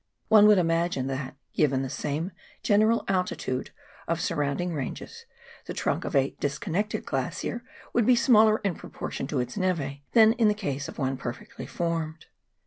One would imagine that, given the same general altitude of surrounding ranges, the trunk of a " disconnected" glacier would be smaller in proportion to its neve than in the case of one perfectly formed.